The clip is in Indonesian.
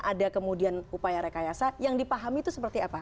ada kemudian upaya rekayasa yang dipahami itu seperti apa